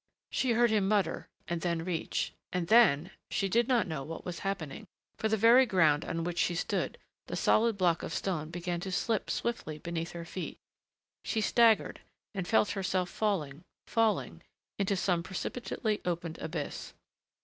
She heard him mutter ... and then reach.... And then she did not know what was happening. For the very ground on which she stood, the solid block of stone began to slip swiftly beneath her feet she staggered and felt herself falling, falling, into some precipitately opened abyss....